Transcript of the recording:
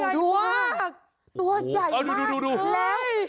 สูงงวยใหญ่มากตัวใหญ่มาก